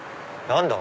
何だ？